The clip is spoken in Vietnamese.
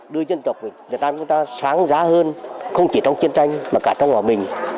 đưa dân tộc việt nam chúng ta sáng giá hơn không chỉ trong chiến tranh mà cả trong hòa bình